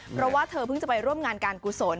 เพราะว่าเธอเพิ่งจะไปร่วมงานการกุศล